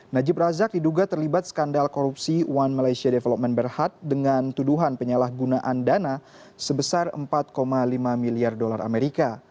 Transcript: najib razak diduga terlibat skandal korupsi one malaysia development berhad dengan tuduhan penyalahgunaan dana sebesar empat lima miliar dolar amerika